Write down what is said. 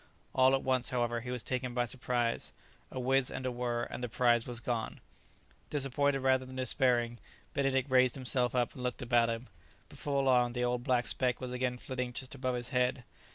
All at once, however, he was taken by surprise; a whizz and a whirr and the prize was gone! Disappointed rather than despairing, Benedict raised himself up, and looked about him. Before long the old black speck was again flitting just above his head.